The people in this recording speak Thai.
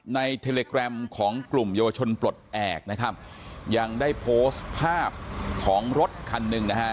เทเลแกรมของกลุ่มเยาวชนปลดแอบนะครับยังได้โพสต์ภาพของรถคันหนึ่งนะฮะ